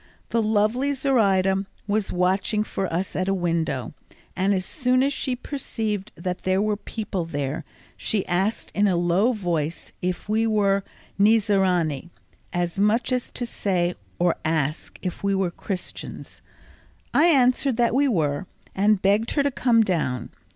The lovely Zoraida was watching for us at a window, and as soon as she perceived that there were people there, she asked in a low voice if we were "Nizarani," as much as to say or ask if we were Christians. I answered that we were, and begged her to come down.